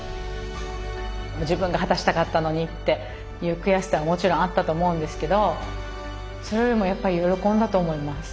自分が果たしたかったのにっていう悔しさはもちろんあったと思うんですけどそれよりもやっぱり喜んだと思います。